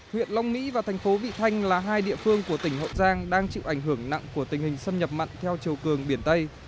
huyện long mỹ và thành phố vị thanh là hai địa phương của tỉnh hậu giang đang chịu ảnh hưởng nặng của tình hình xâm nhập mặn theo chiều cường biển tây